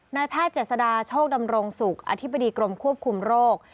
นายแพทย์เจษฎาโชคดำรงศุกร์อธิบดีกรมควบคุมโรค